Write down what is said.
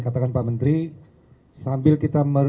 katakan pak menteri sambil kita